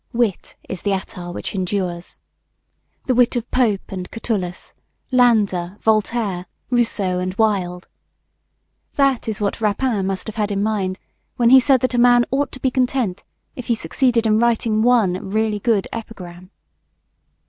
Wit is the attar which endures. The wit of Pope and Catullus, Landor, Voltaire, Rousseau and Wilde. That is what Rapin must have had in mind when he said that a man ought to be content if he succeeded in writing one really good epigram.